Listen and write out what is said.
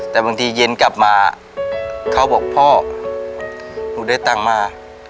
แต่บางทีเย็นกลับมาเขาบอกพ่อหนูได้ตังค์มา